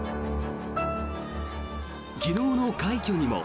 昨日の快挙にも。